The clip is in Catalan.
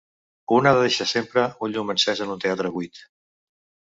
Un ha de deixar sempre un llum encès en un teatre buit.